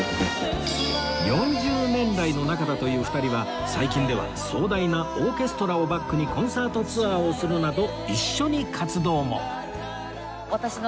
４０年来の仲だという２人は最近では壮大なオーケストラをバックにコンサートツアーをするなど一緒に活動も